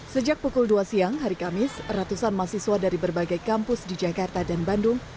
sejak pukul dua siang hari kamis ratusan mahasiswa dari berbagai kampus di jakarta dan bandung